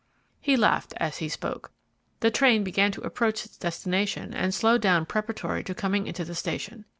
He laughed as he spoke. The train began to approach its destination, and slowed down preparatory to coming into the station.